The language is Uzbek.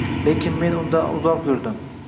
Lekin men undan uzoq yurdim.